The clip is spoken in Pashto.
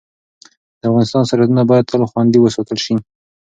د افغانستان سرحدونه باید تل خوندي وساتل شي.